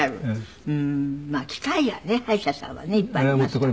まあ機械がね歯医者さんはねいっぱいありますから。